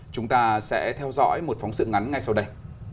chúng ta sẽ theo dõi một phóng sự ngắn ngay sau đây